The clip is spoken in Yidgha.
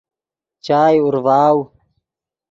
چائے اورڤاؤ